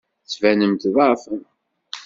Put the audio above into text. Tettbanem-d tḍeɛfem.